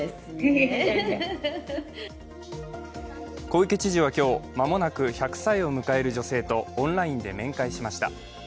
小池知事は今日、間もなく１００歳を迎える女性とオンラインで面会しました。